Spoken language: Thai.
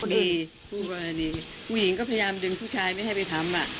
ผู้กรณีผู้หญิงก็พยายามดึงผู้ชายไม่ให้ไปทำอ่ะ